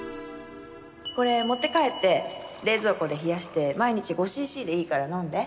これ持って帰って冷蔵庫で冷やして毎日５シーシーでいいから飲んで。